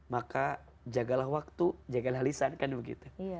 maka jagalah waktu jagalah lisan kan begitu